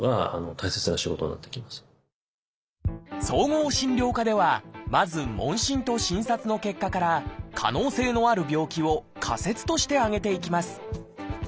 総合診療科ではまず問診と診察の結果から可能性のある病気を仮説として挙げていきます。